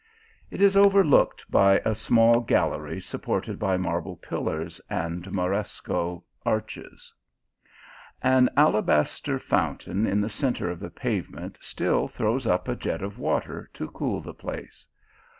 It is overlooked by a small gallery sup VISITORS TO THE ALHAMBRA. 183 ported by marble pillars and moresco arches. An alabaster fountain in the centre of the pavement still throws up a jet of water to cool the place.